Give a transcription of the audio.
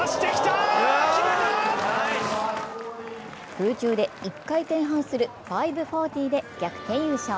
空中で１回転半する５４０で逆転優勝。